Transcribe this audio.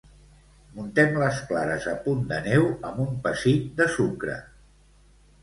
Muntem les clares a punt de neu amb un pessic de sucre.